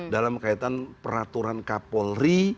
dalam kaitan peraturan kapolri